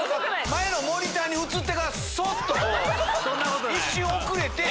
前のモニターに映ってからそっとこう一瞬遅れて。